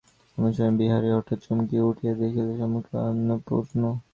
এমন সময় বিহারী হঠাৎ চমকিয়া উঠিয়া দেখিল, সম্মুখে অন্নপূর্ণা।